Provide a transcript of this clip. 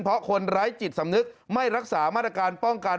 เพราะคนไร้จิตสำนึกไม่รักษามาตรการป้องกัน